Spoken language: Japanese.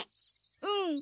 うん。